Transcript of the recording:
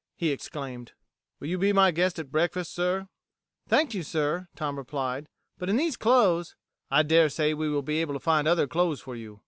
he exclaimed. "Will you be my guest at breakfast, sir?" "Thank you, sir," Tom replied. "But in these clothes...." "I daresay we will be able to find other clothes for you.